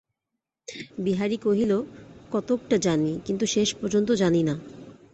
বিহারী কহিল, কতকটা জানি, কিন্তু শেষ পর্যন্ত জানি না।